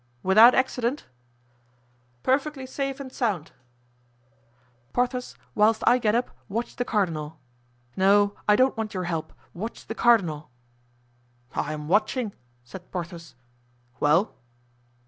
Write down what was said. "Without accident?" "Perfectly safe and sound." "Porthos, whilst I get up, watch the cardinal. No, I don't want your help, watch the cardinal." "I am watching," said Porthos. "Well?"